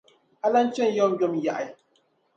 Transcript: A lan chani yomyom yaɣi.